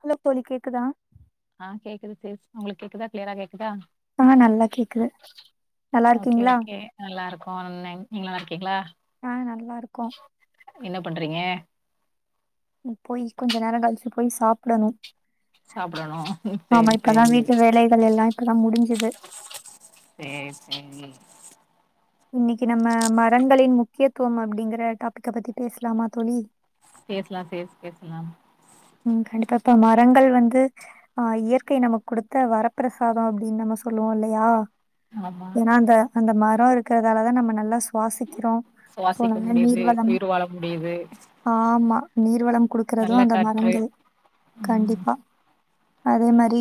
Hello தோழி கேக்குதா ஆ கேக்குது சிஸ் உங்களுக்கு கேக்குதா கிளியரா கேக்குதா ஆ நல்லா கேக்குது நல்லா ஓகே இருக்கீங்களா ஓகே [unintelligible] நீங்க நல்லா இருக்கீங்களா நாங்க நல்லா இருக்கோ என்ன பண்றீங்க போய் கொஞ்ச நேர கழிச்சு போய் சாப்டணு சாப்பிடணு சரி ஆமா இப்பதா சரி வீட்டு வேலைகள் எல்லா இப்பதா முடிஞ்சுது சேரி சேரி இன்னைக்கு நம்ம மரங்களின் முக்கியத்துவம் அப்படிங்கற டாபிக்க பத்தி பேசலாமா தோழி பேசலாம் பேஸ் பேசலாம் ம் கண்டிப்பா இப்ப மரங்கள் வந்து ஆ இயற்கை நமக்கு கொடுத்த வரப்பிரசாத அப்டின்னு நம்ம சொ சொல்லுவோ இல்லையா ஆமா ஏன்னா அந்த அந்த மர இருக்கறதால தா நம்ம நல்லா சு வாசிக்கிறோ சோ சுவாசிக்க நல்ல முடியுது நீர்வளம் உயிர் வாழ முடியுது ஆமா நீர்வளம் குடுக்குறது நல்ல அந்த மர காற்று வங்கள் ம் கண்டிப்பா அதே மாதிரி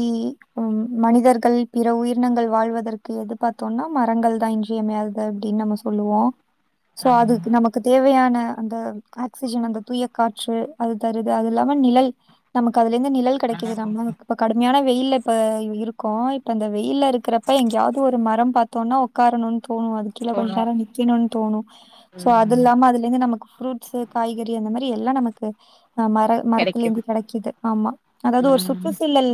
ம் மனிதர்கள் பிற உயிரினங்கள் வாழ்வதற்கு எது பாத்தோம்னா மரங்கள் தா இன்றியமையாதது அப்டின் நம்ம சொல்லுவோ சோ ஆமா அதுக்கு நமக்கு தேவையான அந்த ஆக்சிஜன் அந்த தூய காற்று அது தருது அது இல்லாம நிழல் நமக்கு அதுலருந்து நிழல் ஆ கிடைக்குது நம்ம இப்ப கடுமையான வெயில்ல இப்ப இருக்கோ இப்ப அந்த வெயில்ல இருக்கிறப்ப எங்கயாவது ஒரு மரம் பார்த்தோம்னா உட்காரணும்னு தோணு அது கீழ கொஞ்ச தோணு நேர நிக்கணும்னு தோணு சோ அது ம் இல்லாம அதுல இருந்து நமக்கு ஃப்ரூட்ஸ் காய்கறி அந்த மாரி ரி எல்லா நமக்கு அ ம கெடைக்குது மரத்திலருந்து கெடைக்குது ஆமா அதாவது ஒரு ம் சுற்றுச்சூழல்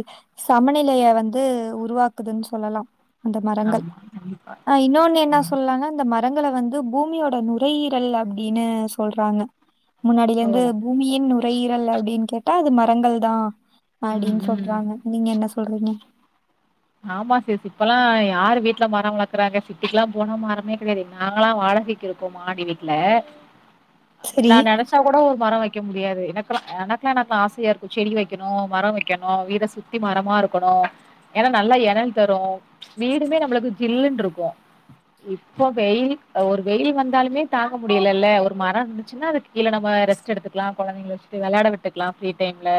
சமநி திலயே வந்து உருவாக்குதுன் சொல்லலா அந்த மரங்கள் ஆமா கண்டிப்பா அ இன்னொன்னு என்ன ம் சொல்லலாங்க அந்த மர மரங்கள வந்து பூமியோட நுரையீரல் அப்டினு சொல்றாங்க ஓ முன்னாடியிலிருந்து பூமியின் நுரையீரல் ட அது மரங்கள் தா ம் அப்டின் ம் சொல்றாங்க நீங்க என்ன சொல்றீங்க ஆமா சிஸ் இப்பெல்லா யார் வீட்ல மர வளக்கறாங்க சிட்டிக்குல்லா போன மரமே கிடையாது நாங்களா வா [unintelligible] இருக்கோ மாடி வீட்ல சரி. நா நெனைச்சா கூட ஒரு மர வக்க முடியாது எனக்கெலா எனக்கெல்லா எனக்கெல்லா ஆசையா இருக்கு செடி வைக்கணு மர வைக்கணு வீட சுத்தி மரமா இருக்கணு ஏன்னா நல்லா எரல் தரு வீடுமே நம்ளுக்கு ஜில்லுன்னுருக்கு இப்போ வெயில் ஒரு வெயில் வந்தாலுமே தாங்க முடியலல்ல ஒரு மர இருந்துச்சுன்னா அதுக்கு கீழ நம்ம ரெஸ்ட் எடுத்துக்கலா கொழந்தைங்க வச்சுட்டு விளையாட விட்டுக்கலா ஃப்ரீ டைம்ல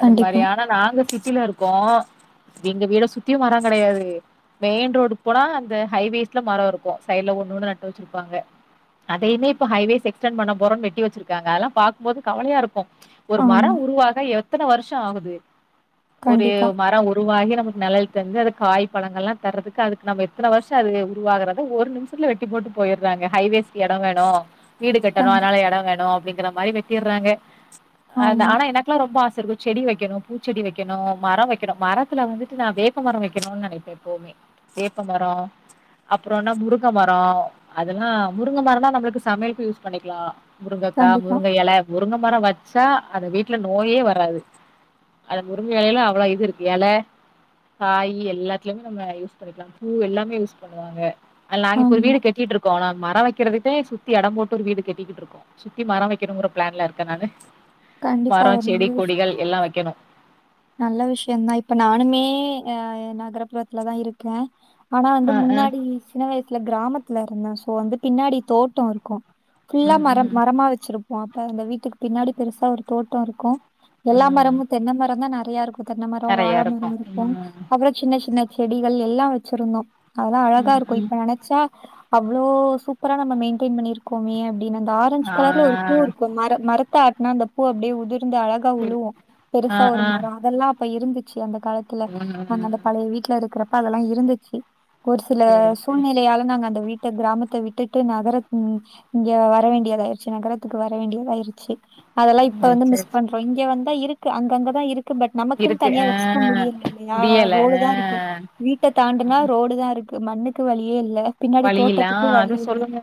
அது கண்டிப்பா. மாரி ஆனா நாங்க சிட்டில இருக்கோ எங்க வீட சுத்தியு மர கெடையாது மெயின் ரோடுக்கு போனா அந்த ஹைவேஸ்ல மர இருக்கு சைடு்ல ஒண்ணு ஒன்னு நட்டு வச்சிருப்பாங்க அதையுமே இப்ப ஹைவேஸ் எக்ஸ்டன் பண்ண போறம்னு வெட்டி வச்சிருக்காங்க அதெல்லா பாக்கும்போது கவலையாருக்கு ஒரு மர ஆமா. உருவாக எத்தன வருஷம் ஆகுது ஒரு கண்டிப்பா. மர உரு ப்டி நமக்கு நெழல் தந்து அது காய் பழங்கள்லா தறதுக்கு அதுக்கு நம்ம எத்தன வருஷம் அது உருவாகறத ஒரு நிமிஷத்துல வெட் போட்டு போயிறாங்க ஹைவேஸ்க்கு எடம் வேணு வீடு கட்டணு கண் அதனால எட வேணு அப்டிங்கிற மாரி வெட்டிறாங்க அ ஆமா. ஆனா எனக்கெல்லா ரொம்ப ஆசை இருக்கு செடி வைக்கணு பூ செடி வைக்கணு மர வக்கணு மர த்துல வந்துட்டு நான் வேப்பமர வைக்கணும் நெனைப்பே எப்பவுமே வேப்பமர அப்புறம்னா முருங்க மர அதெல்லா முருங்க மரம்னா நம்ளுக்கு சமையலுக்கு யூஸ் பண்ணிக்கலா முருங்கக்கா கண்டிப்பா. முருங்க எல முருங்க மர வச் ச்சா அந்த வீட்ல நோயே வராது அந்த முருங்க எலையில அவ்ளோ இது இருக்கு எல காய் எல்லாத்துலயுமே நம்ம யூஸ் பண்ணிக்கலா பூ எல்லாமே யூஸ் பண்ணுவாங்க ல்ல நாங்க இப்ப ஒரு ஆமா. வீடு கட்டிட்டு இருக்கோ மர வைக்கறதுட்டே சுத்தி எடம் போட்டு ஒரு வீடு கட்டிக்கிட்டு இருக்கோ சுத்தி மர வைக்கணுங்கிற பிளான்ல இருக்க நானு கண்டிப்பா மர ஒரு நல்ல செடி விஷயம். கொடிகள் எல்லா வக்கணு நல்ல விஷயம்தா இப்ப நானுமே அ நகர்புறத்துலதா இருக்க ஆனா வந்து அ முன்னாடி சின்ன வயசுல கிராமத்துல இருந்த ஸோ வந்து பின்னாடி தோட்டோ இருக்கு ஃபுல்லா ம் மரம் ம் மரமா வச்சிருப்போ அப்ப அந்த வீட்டுக்கு பின்னாடி பெருசா ஒரு தோட்டோ இருக்கு எல்லா ம் மரமு தென்ன மர தா நெறையா இருக்கு தென்னை மர வாழ நெறைய மர இருக்கு ம் அப்புற சின்ன சின்ன செடிகள் எல்லா வச்சிருந்தோ அதெல்லா அழகா ம் இருக்கு ம் இப்ப நெனச்சா அவ்ளோ சூப்பரா நம்ம மெயின்டெய்ன் பண்ணிருக்கோமே அப்படின்னு அந்த ஆரஞ்சு ஆ கலர்ல ஒரு பூ இருக்கு மர மர த்த ஆட்னா அந்த பூ அப்டியே உதிர்ந்து அழகா சரி. உழுவு ஆ பெருசா ஒரு ஆ மர அதெல்லா அப்ப இருந்துச்சு அந்த காலத்துல ம் நாங்க அந்த ம் பழைய வீட்ல இருக்கிறப்ப அதெல்லா இருந்துச்சு ஒரு சில சேரி சேரி சூழ்நிலையால நாங்க அந்த வீட் ட்டு கிராமத்த விட்டுட்டு நகர இங்க வர வேண்டியதாயிடுச்சு நகரத்துக்கு வர வேண்டியதாயிருச்சு அதெல்லா இப்ப ம் வந்து சேரி மிஸ் சே பண்றோ இங்க வந்தா இருக்கு அங்கங்கதா இருக்கு க்கு பட் நமக்குன் இருக்கு தனியா ஆ வச்சுக்க முடியல இல்லையா முடியல ரோடு ஆ தா இருக்கு வீட்ட தாண்டுனா ரோடு தா இருக்கு மண்ணுக்கு வழியே இல்ல பின்னாடி வழியில தோட்டத்துக்கும் அது வழி இல்ல சொல்லுங்க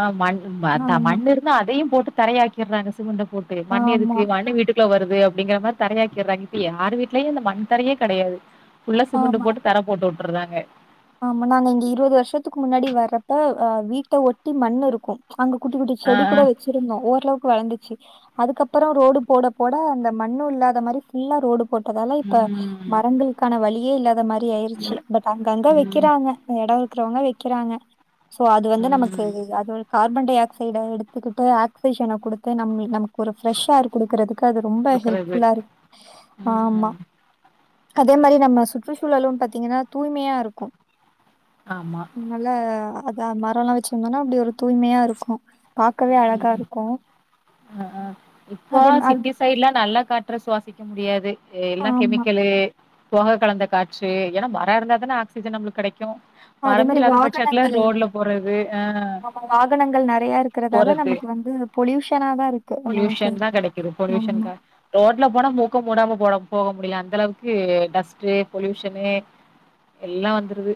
அ மண் அதா ஆமா மண் இருந்தா அதையும் போட்டு தரையாக் அந்த சிமென்ட போட்டு மண்ணு ஆமா எதுக்கு மண்ணு வீட்டுக்கு ப்ப வருது அப்டிங்கிற மாரி தரையாக்கிறாங்க இப்ப யார் வீட்லயு அந்த மண் தரையே கெடையாது ஃபுல்லா ஆமா சிமெண்ட் போட்டு தர போட்டு வுட்ர்றாங்க ஆமா நாங்க இங்க இருவது வருஷ்த்துக்கு முன்னாடி வர்றப்ப அ வீட்ட ஒட்டி மண் இருக்கு அங்க குட்டி குட்டி ஆ செடி ஆ கூட வச்சிருந்தோ ஓரளவுக் வளந்துச்சி அதுக்கப்றோ ரோடு போட போட அந்த மண்ணு இல்லாத மாரி ஃபுல்லா ரோடு போட்டதால இப்ப ம் மரங்களுக்கான வழியே இல்லாத மாரி ஆயிருச்சி இல்ல. பட் அங்கங்க வெக் ம் வக்கிறாங்க எடோ இருக்குறவங்க வெக்கிறாங்க சோ அது வந்து நமக்கு ம் அது ஒரு கா ர்பன்டை ஆக்சைட எடுத்துக்கிட்டு ஆக்சிஜன கொடுத்து நம்மிள் நமக் ஒரு ஃப்ரெஷ் ஏர் குடுக்கறதுக்கு அது ரொம்ப ஹெல்ப் இருக்கிறது ஃபுல்லாருக் ம் ஆமா அதே மாரி நம்ம சுற்றுச்சூழலு பாத்தீங்கனா தூய்மையாருக்கு ஆமா. நல்ல அதா மரோ எல்லா வச்சிருந்தோனா அப்டி ஒரு தூய்மையாருக்கு பாக்கவே அழகா ம். இருக்கு அ ஆ இப்போ சிட்டி சைட்லா நல்ல காற்ற சுவாசிக்க முடியாத் தே எல்லா ஆமா. கெமிக்கலு பொக கலந்த காற்று ஏனா மர இருந்தா தான ஆக்சிஜன் நம்முளுக் கெடைக் க்கு அதே மரமே மாரி இல்லாத பட்சத்ல வாகனங்கள் ரோட்ல போறது அ ஆமா வாகனங்கள் நெறைய இருக்கிறதால போறக்கு நமக்கு வந்து பொல்யூஷனா தான் இருக்கு நமக்கு. பொல்யூஷன் தா கெடைக்கிது பொல்யூஷன் ஆமா. க ரோட்ல போனா மு க்க போடம போட போக முடியு அந்தளவுக்கு டஸ்டு பொல்யூஷனு எல்லா வந்துருது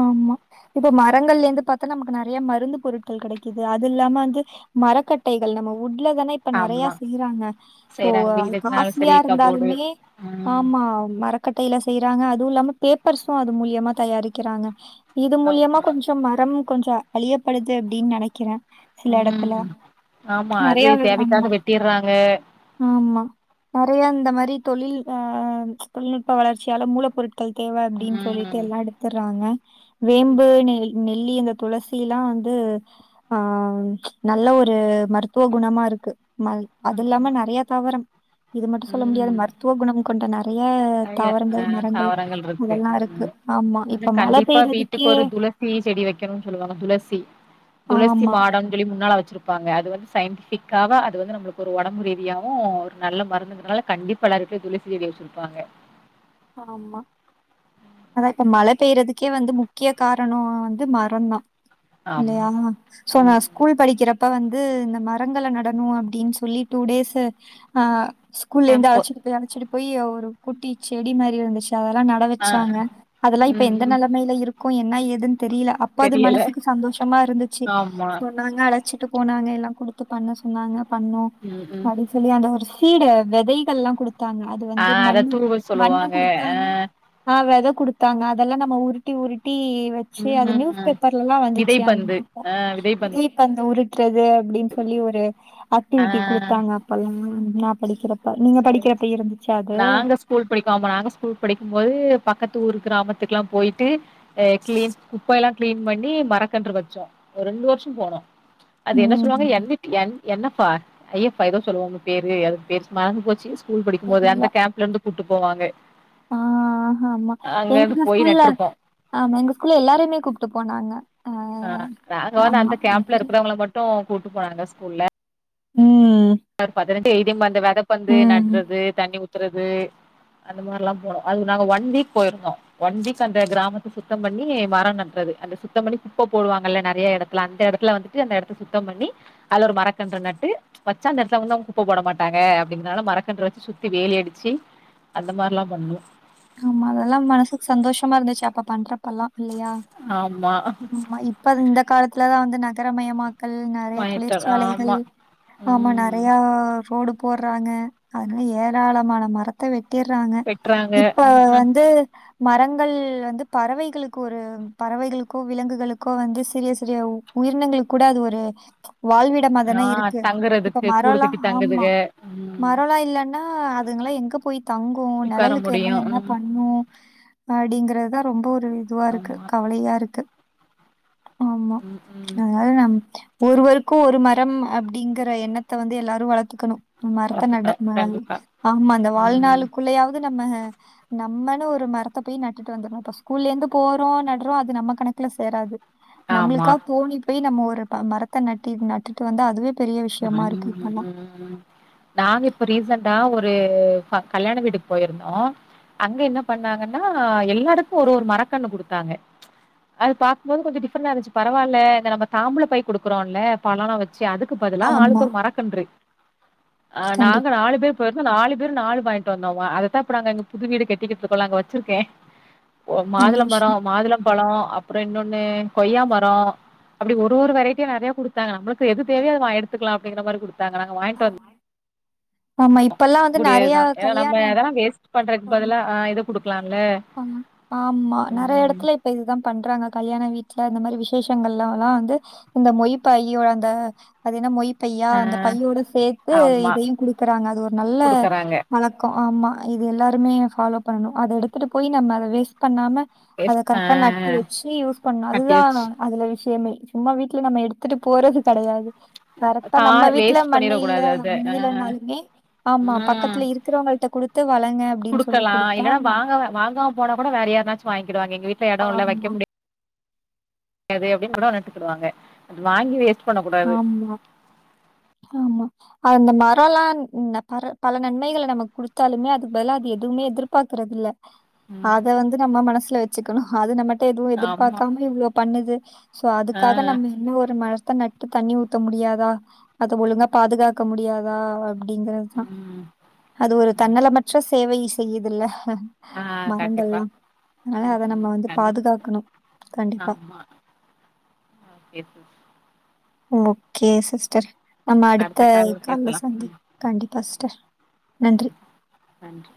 ஆமா இப்ப மரங்கள்லந்து பாத்தனா நமக்கு நெறைய மருந்து பொருட்கள் கெடைக்கிது அது இல்லாம வந்து மரக்கட்டைகள் நம்ம உ இல்ல தான இப்ப நெறைய ஆமா. செய்யிறாங்க சோ செய்றாங்க. அது வீடு இருக்கனாலும் காஸ்லியா சரி கபோர்டு. இருந்தாலுமே ம். ஆமா மரக்கட்டையில செய்யிறாங்க அதுவு இல்லாம பேப்பர்ஸு அது மூலியமா தயாரிக்கிறாங்க இது மூலியமா ஆமா. கொஞ்சம் மரம் கொஞ்ச அழியப்படுது அப்டின் நெனைக்கிற ம் ஆமா. நெறைய அது விழுது ஆமா தேவைக்காக வெட்டிர்றாங்க. ஆமா நெறைய இந்த மாரி தொழில் அ தொழில்நுட்ப வளர்ச்சியால மூலப்பொருட்கள் தேவ அப்படின் சொல்லிட்டு ம். எல்லா எடத்தறாங்க வேம்பு நெய் நெல்லி இந்த துளசி எல்லா வந்து ஆ நல்ல ஒரு மருத்துவ குணமா இருக்கு மல் அதில்லாம நெறைய தாவரம் இது மட்டு சொல்ல முடியாது ம். மருத்துவ குணம் கொண்டனர் நெறைய நெறைய அ தாவரங்கள் மரங்கள் தாவரங்கள் இருக்கு அதெல்லா இருக்கு ம் ஆமா அது இப்ப மழ கண்டிப்பா வீட்டுக் பெய்றதுக்கே ஒரு துளசி செடி வெக்கணுன் சொல்லுவாங்க துளசி துளசி ஆமா மாடம் சொல்லி முன்னால வெ ச்சிருப்பாங்க அது வந்து சயின்டிபிக்காவ அது வந்து நம்முளுக்கு ஒரு ஒடம்பு ரீதியாவு ஒரு நல்ல மருந்துங்கறனால கண்டிப்பா எல்லாரு வீட்லயு துளசி செடி வச்சிருப்பாங்க ஆமா அதா இப்ப மழ பெய்றதுக்கே வந்து முக்கிய காரணோ வந்து மரோ தா ஆமா இல்லையா சோ நா ம் ஸ்கூல் படிக்கிறப் இப்ப வந்து இந்த மரங்கள நடனு அப்டின் சொல்லி டூ டேஸு அ ஸ்கூல்லந்து அப்போ அழச்சிட்டு போயி அழச்சிட்டு போயி ஒரு குட்டி செடி மாரி இருந்துச் அதெல்லா நட ஆ அ வச்சாங்க அதெல்லா இப்ப ம் எந்த ம் நெலைமையில இருக்கு என்ன ஏதுன் தெரியில அப்ப அது தெரியல மனசுக்கு சந்தோஷமா இருந்துச்சி ஆமா சொன்னாங்க அதல வச்சிட்டு போனாங்க எல்லா குடுத்து பண்ண சொன்னாங்க பண்ணோ ம் ம் அப்டின் சொல்லி அந்த ஒரு சீடு வெதைகள்லா குடுத்தாங்க அது ஆ வந்து அத மண்ணு தூவல் மண்ண சொல்லுவாங்க ஆ குடுத்தாங்க ஆ வெத குடுத்தாங்க அதெல்லா நம்ம உருட்டி உருட் டி வச்சி அத நியூஸ் ம் பேப்பர்லல்லா வந்துச்சி அ விதைப்பந்து ஆ விதைப்பந்து விதி பந்த உருட்டி ட்றது அப்டின் சொல்லி ஒரு ஆ ஆக்டிவிட்டி குடுத்தாங்க அப்பல்லா நா படிக்கிற ப்ப நீங்க சேரி படிக்கிறப்ப இருந்துச்சா அது நாங்க ஸ்கூல் படிக்கு ஆமா நாங்க ஸ்கூல் படிக்கு போது பக்கத்து ஊர் கிராமத்துக்கு எல்லா போயிட்டு கிளீன் குப்ப எல்லா கிளின் பண்ணி மரக்கன்று வச்சோ ஒரு ரெண்டு வருஷோ போனோ அது என்ன சொல்லுவாங்க ம் என் என்ப்பா ஐயப்பா ஏதோ சொல்லுவாங்க பேரு அது பேரு மறந்து போச்சி ஸ்கூல் படிக்கு போது தெரில அந்த கேம்ப்ல இருந்து கூட்டு போவாங்க ஆ ஆ ஆமா அங்க இருந்து எங்க போய் ஸ்கூல்ல நட்ருப்போ ஆமா எங்க ஸ்கூல்ல எல்லாரையுமே கூப்பிட்டு போனாங்க ஆ நாங்க வந்து ஆமா அந்த கேம்ப்ல எல்லாரு இருக்கறவள மட்டு கூட்டு போனாங்க ஸ்கூல்ல உம் ஒரு பதினெட்டு எழுதியு வந்து விதப்பந்து ம் நடுறது தண்ணி ஊத்துறது அந்த மாதிரி எல்லா போனோ அது நாங்க ஒன் வீக் போயிருந்தோ ஒன் வீக் அந்த கிராமத்து சுத்த பண்ணி மரம் நற்றது அந்த சுத்தம் பண்ணி குப்ப போடுவாங்கல நிறைய இடத்துல அந்த இடத்துல வந்துட்டு அந்த இடத்த சுத்தம் பண்ணி அதுல ஒரு மரக்கன்று நட்டு வச்சா அந்த இடத்துல வந்து அவங்க கூப்ப போட மாட்டாங்க அப்படிங்கரதால மரக்கன்று வச்சு சுத்தி வேலி அடிச்சு அந்த மாதிரிலா பண்ணு ஆமா அதெல்லா மனசுக்கு சந்தோஷமா இருந்துச்சு அப்ப பண்றப்ப எல்லா இல்லையா ஆமா ஆமா இப்ப இந்த காலத்துலதா வந்து நகரமயம் மா கள் நிறைய மயட்டர் தொழிற்சாலைகள் ஆமா ஆமா ம் நிறைய ரோடு போறாங்க அதனால ஏராளமான மரத்த வெச் ர்ராங்க வெட்றாங்க இப்ப ம் ம் வந்து மரங்கள் வந்து பறவைகளுக்கு ஒரு பறவைகளுக் கோ விலங்குகளுக்கோ வந்து சிறிய சிறிய உயிரினங்களுக் கூட அது ஒரு ஆ வாழ்விடம்மாதானா இருக்கு இப்ப தங்குறதுக்கு கூடு மரம்லா கட்டி ஆமா தங்குதுக ம் மரோலா இல்லன்னா அது எங்க போய் தங்கு உக்கார நிழலுக்கு எல்லா முடியு என்ன ம் பண்ணவோ அப்படிங்கிறது தா ரொம்ப ஒரு இதுவா இருக்கு ஆமா கவலையா இருக் ஆமா ம் ம் அதனால நம் ஒருவருக் கு ஒரு மரம் அப்படிங்கற எண்ணத்த வந்து எல்லாரு வளர்த்துக்கணு மரத்த நட வளத்துக்கலா கண்டிப்பா ஆமா அந்த ம் வாழ்நாளுக்குள்ளேயாவது நம்ம நம் நம்மனு ஒரு மரத்த போய் நட்டு வந்துரணுப்பா ஸ்கூல்ல இருந்து போறோ நடுறோ அது நம்ம கணக்குல சேராது ஆமா நம்மளுக்கா தோனி போய் நம்ம ஒரு மரத்த நட்டி நட்டுட்டு வந்தா அதுவே பெரிய விஷயமா இருக்கு இப்பல்லாம். நாங்க இப்ப ரீசண்டா ஒரு கல்யாண வீட்டுக்கு போயிருந்தோ அங்க என்ன பண்ணாங்கன்னா எல்லாருக்கு ஒரு ஒரு மரக்கண்ணு குடுத்தாங்க அது பாக்கும்போது கொஞ்ச டிஃப்ரண்ட் இருந்துச்சு பரவால நம்ம தாம்பள பை கொடுக்குறோம்ல பழளாம் வச்சு அதுக் க்கு பதிலா ஆமா, ஆளுக்கு ஒரு மறக்கன்று ஆ நாங்க கண்டிப்பா நாலு பேர் போயிருந்தோ நாலு பேர் நாலு வாங்கிட்டு வந்தோமா அதத்தா இப்ப நாங்க எங்க புது வீடு கட்டிக்கிட்டு இருக்கோல அங்க வச்சிருக்க ஓ நல்ல மாதுள மரோ விஷயம். மாதுள பழோ அப்றோ இன்னொன்னு கொய்யா மரோ அப்டி ஒரு ஒரு வெரைட்டியா நெறையா குடுத்தாங்க நம்மளுக்கு எது தேவையோ எடுத்துக்கலா அப்டிங்கிற மாரி கூடுத்தாங்க நாங்க வாங்கிட்டு வந் ஆமா இப்பல்லாம் வந்து முடியாதுதா நெறையா ஏன்னா நம்ம கல்யாண அதெல்லா வேஸ்ட் பண்றதுக்கு பதிலா ஆ ‌இது ஆமா நெறையா ம். எடத்துல இப்ப இதுதா பண்றாங்க கல்யாண வீட் ல இந்த மாரி விசேஷங்கள்லலா வந்து இந்த மொய் பையி அந்த அது என்ன மொய் பையா ஆ அந்த பையோட சேத்து ஆமா இதயு குடுக்குறாங்க அது ஒரு நல்ல குடுக்குறாங்க பழக்கோ ஆமா இதெல்லா மே ஃபாலோ பண்ணணு அத எடுத்துட்டு போய் நம்ம அத வேஸ்ட் பண்ணாம அத வேஸ்ட் ஆ கரெக்டா நட்டு வச்சு யூஸ் பண்ணு கட்டி அதுதா வச்சு அதுல விஷ்யமே சும்மா வீட்ல நம்ம எடுத்துட்டு போறது கெடையாது கரெக்டா கா நம்ம வீட்ல வேஸ்ட் மண்ணு பண்ணிடக் இல்ல கூடாது அத ஆ முடிலனாலுமே ஆமா ம் பக்கத்துல இருக்கிறோங்க கிட்ட குடுத்து வளங்க அப்டின்னு சொல்லி குடுத்தா போன்னா கூட வேற யார்னாச்சு வாங்கிடுவாங்க எங்க‌ வீட்ல எடோ இல்ல வைக்க ஆமா முடி யாது அப்டின்னு கூட நட்டுக்குடுவாங்க அது வாங்கி வேஸ்ட் பண்ணக் கூடாது ஆமா ஆமா அந்த மரோலா ம் ன பர பல நன்மைகள நமக் குடுத்தாலுமே அதுக்கு பலா அது எதுமே எதிர்பாக்குறதில்ல ம். அத வந்து நம்ம மனசுல வெச்சுக்கணு அது நம்ம ட்ட எதுவு ஆமா எதிர்பாக்காம இவ்ளோ பண்ணுது சோ ஆ அதுக்காக நம்ம இன்னு ஒரு மரத்த நட் டு தண்ணி ஊத்த முடியாதா அத ஒழுங்கா பாதுகாக்க முடியாதா அப்டிங்கிறது தா ம் அது ஒரு தன்னலமற்ற சேவை செய்யுதுல்ல ஆ கண்டிப்பா மரங்கள்லா அதனால ம் அத ம் நம்ம வந்து கண்டிப்பா பாதுகாக்கணு கண்டிப்பா ஆமா ஓகே சிஸ் ஓகே சிஸ்டர் நம்ம அடுத்த கால்ல சந்தி கண்டிப்பா சிஸ்டர் ஓகே நன்றி சிஸ். நன்றி